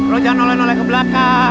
lo jangan nolain nolain ke belakang